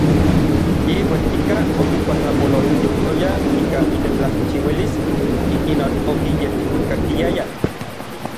Yi uejkika okinkuatlapololtijtoya ika itetlajchiuilis, ikinon okiyekkakiayaj.